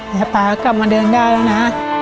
แล้วป๊ากลับมาเดินได้แล้วนะ